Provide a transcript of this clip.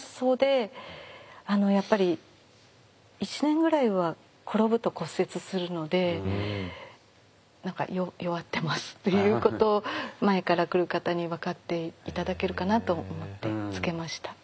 やっぱり１年ぐらいは転ぶと骨折するので何か「弱ってます」っていうことを前から来る方に分かって頂けるかなと思って付けました。